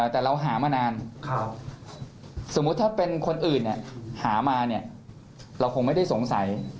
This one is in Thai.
แต่เราหามานานสมมุติถ้าเป็นคนอื่นหามาเนี่ยเราคงไม่ได้สงสัย